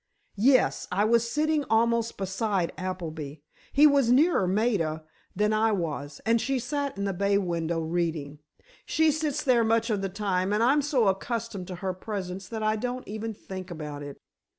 "Yes; I was sitting almost beside Appleby; he was nearer Maida than I was, and she sat in the bay window, reading. She sits there much of the time, and I'm so accustomed to her presence that I don't even think about it.